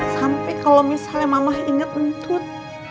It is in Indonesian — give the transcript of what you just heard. sampai kalau misalnya mamah inget entut